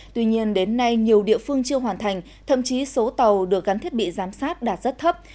tuy nhiên đến nay nhiều địa phương chưa hoàn thành thậm chí số tàu được gắn thiết bị giám sát đạt rất thấp